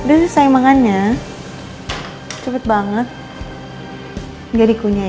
hai udah selesai mengannya cepet banget nggak dikunyah ya